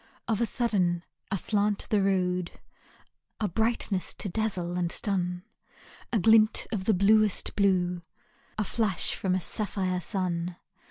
Of a sudden, aslant the road, A brightness to dazzle and stun, A glint of the bluest blue, A flash from a sapphire sun.